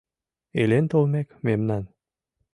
Илен-толмек, мемнам.